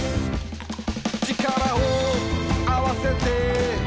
「力をあわせて」